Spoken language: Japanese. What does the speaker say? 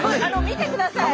見てください。